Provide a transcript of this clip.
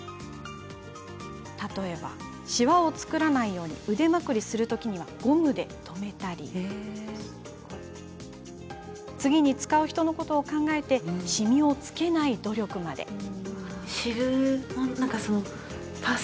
例えばしわを作らないように腕まくりするときにはゴムで留めたり次に使う人のことを考えてしみをつけない努力まで。